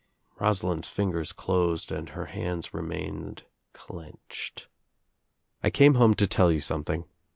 Rosalind's fingers closed and her hands remained clenched. "I came home to tell you something.